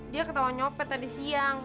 dia ketawa nyopet tadi siang